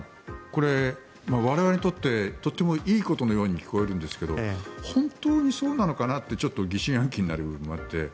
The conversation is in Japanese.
これ、我々にとってとってもいいことのように聞こえるんですが本当にそうなのかなってちょっと疑心暗鬼になる部分もあって。